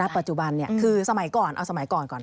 ปัจจุบันคือสมัยก่อนเอาสมัยก่อนก่อน